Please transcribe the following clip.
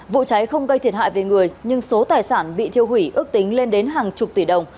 vụ cháy không gây thiệt hại về người nhưng số tài sản bị thiêu hủy ước tính lên đến hàng chục tỷ đồng